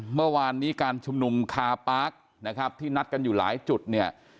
เมื่อวานนี้การชุมนุมคาปาร์คนะครับที่นัดกันอยู่หลายจุดเนี่ย